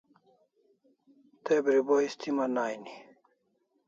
Te bribo histiman aini